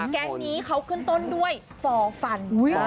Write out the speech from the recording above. แก๊งนี้เขาขึ้นต้นด้วยฟอร์ฟัน